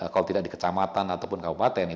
kalau tidak di kecamatan ataupun kabupaten